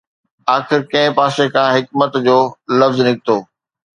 آخر ڪنهن پاسي کان حڪمت جو لفظ نڪتو